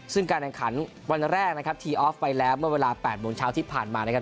ซึ่งการแข่งขันวันแรกนะครับทีออฟไปแล้วเมื่อเวลา๘โมงเช้าที่ผ่านมานะครับ